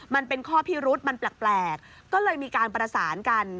มันเป็นข้อพิรุษมันแปลกก็เลยมีการประสานกัน